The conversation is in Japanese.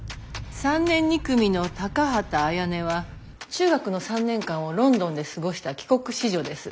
３年２組の高畑あやねは中学の３年間をロンドンで過ごした帰国子女です。